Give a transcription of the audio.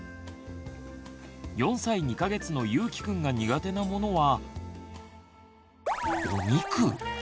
４歳２か月のゆうきくんが苦手なものは。